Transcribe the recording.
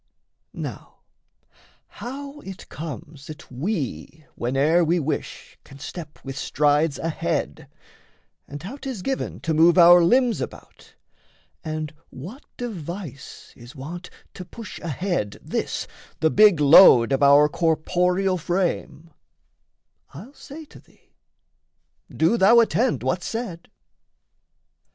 Now, how it comes that we, Whene'er we wish, can step with strides ahead, And how 'tis given to move our limbs about, And what device is wont to push ahead This the big load of our corporeal frame, I'll say to thee do thou attend what's said.